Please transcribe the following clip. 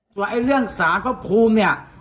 ตัวไอ้เรื่องสาวข้อภูมิเนี่ย